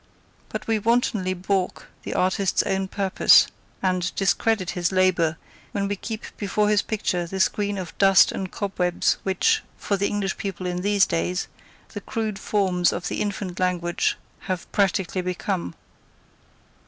But we wantonly balk the artist's own purpose, and discredit his labour, when we keep before his picture the screen of dust and cobwebs which, for the English people in these days, the crude forms of the infant language have practically become.